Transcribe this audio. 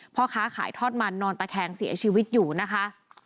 พ่อค้าขายทอดมันนอนตะแคงเสียชีวิตอยู่นะคะ